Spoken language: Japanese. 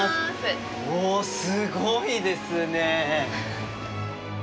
おすごいですね。